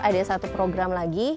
ada satu program lagi